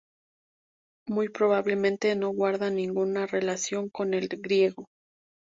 Muy probablemente no guarda ninguna relación con el griego.